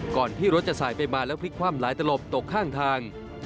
ก่อนที่รถจะสายไปมาแล้วพลิกคว่ำหลายตลบตกข้างทาง